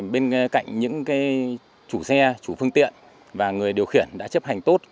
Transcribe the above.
bên cạnh những chủ xe chủ phương tiện và người điều khiển đã chấp hành tốt